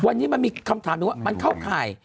วันนี้มันมีคำถามหนึ่งว่ามันเข้าข่าย